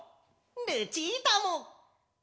ルチータも！